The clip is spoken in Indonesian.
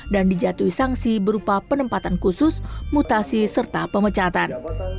dan dijatuhi sanksi berupa penempatan khusus mutasi serta pemecatan